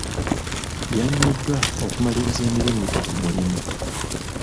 Yalemeddwa okumaliriza emirimu gye ku mulimu.